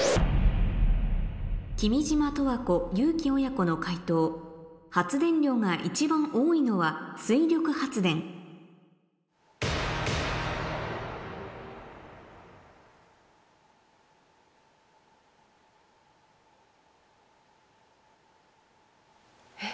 君島十和子・憂樹親子の解答「発電量が一番多いのは水力発電」え。